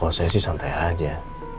kalau saya sih santai aja